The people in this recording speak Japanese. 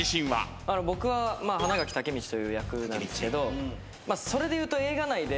僕は花垣武道という役なんですけどそれでいうと映画内で。